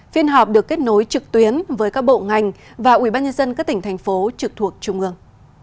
phiên họp được kết nối trực tuyến với các bộ ngành và ubnd các tỉnh thành phố trực thuộc trung ương